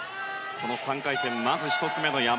この３回戦、まず１つ目の山。